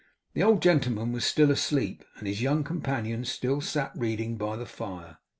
The old gentleman was still asleep, and his young companion still sat reading by the fire.